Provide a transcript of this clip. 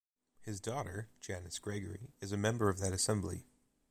His daughter, Janice Gregory, is a member of that assembly.